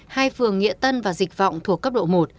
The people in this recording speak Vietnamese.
hai phường nghĩa tân và dịch vọng thuộc cấp độ một